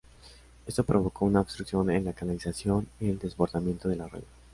Esto provocó una obstrucción en la canalización y el desbordamiento del arroyo.